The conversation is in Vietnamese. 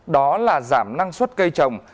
đó là giảm năng suất cây trồng